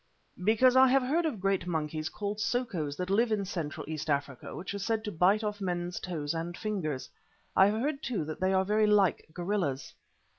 "Because I have heard of great monkeys called sokos that live in Central East Africa which are said to bite off men's toes and fingers. I have heard too that they are very like gorillas."